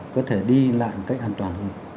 có thể đi lại một cách an toàn hơn